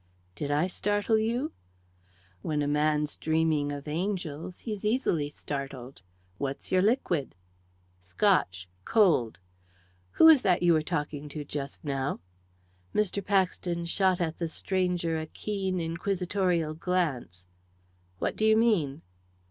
"Did I startle you?" "When a man's dreaming of angels, he's easily startled. What's your liquid?" "Scotch, cold. Who was that you were talking to just now?" Mr. Paxton shot at the stranger a keen, inquisitorial glance. "What do you mean?"